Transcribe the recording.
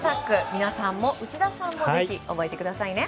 皆さんも、内田さんもぜひ覚えてくださいね。